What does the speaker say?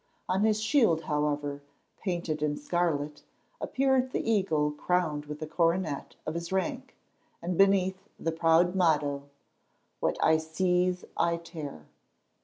On his shield, however, painted in scarlet, appeared the eagle crowned with the coronet of his rank, and beneath, the proud motto—"What I seize I tear."